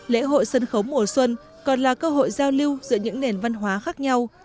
lễ hội sân khấu mùa xuân còn là cơ hội giao lưu giữa những nền văn hóa khác nhau